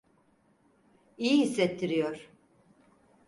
İyi hissettiriyor.